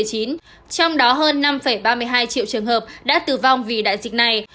trong đó hơn năm ba mươi hai triệu trường hợp đã tử vong vì đại dịch này